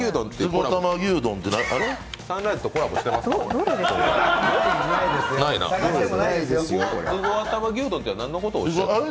サンライズとコラボしてますか？